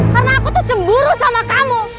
karena aku tuh cemburu sama kamu